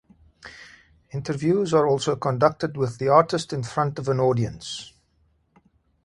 Interviews are also conducted with the artist in front of an audience.